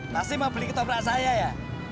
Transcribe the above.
masih mau beli ketoprak saya ya